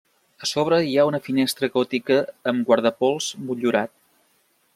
A sobre hi ha una finestra gòtica amb guardapols motllurat.